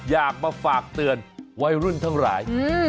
อยากมาฝากเตือนวัยรุ่นทั้งหลาย